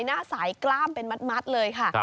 หน้าสายกล้ามเป็นมัดเลยค่ะ